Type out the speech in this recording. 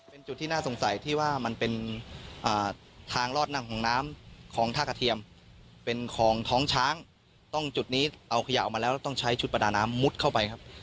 เป็นจุดที่น่าสงสัยที่ว่ามันเป็นทางรอดนั่งของน้ำของท่ากระเทียมเป็นของท้องช้างต้องจุดนี้เอาขยะออกมาแล้วแล้วต้องใช้ชุดประดาน้ำมุดเข้าไปครับ